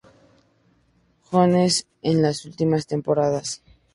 Jones en las últimas temporadas.